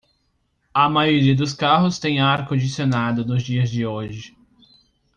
A maioria dos carros tem ar condicionado nos dias de hoje.